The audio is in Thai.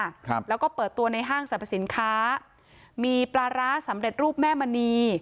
ครับแล้วก็เปิดตัวในห้างสรรพสินค้ามีปลาร้าสำเร็จรูปแม่มณี